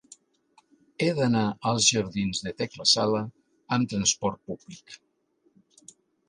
He d'anar als jardins de Tecla Sala amb trasport públic.